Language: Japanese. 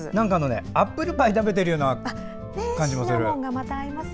アップルパイ食べてるような感じもする。